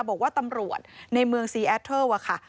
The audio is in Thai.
บอกว่าตำรวจในเมืองซีแอดเทิลอะค่ะ